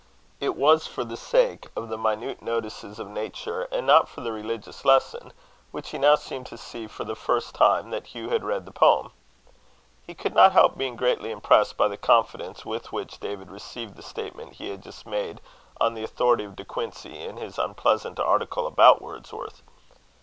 It was for the sake of the minute notices of nature, and not for the religious lesson, which he now seemed to see for the first time, that Hugh had read the poem. He could not help being greatly impressed by the confidence with which David received the statement he had just made on the authority of De Quincey in his unpleasant article about Wordsworth.